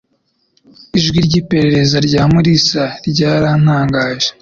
Ijwi ry'iperereza rya Mulisa ryarantangaje.